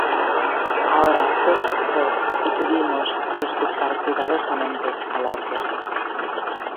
Ahora todo se fue y tuvimos que escuchar cuidadosamente a la orquesta.